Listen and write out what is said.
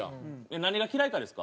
何が嫌いかですか？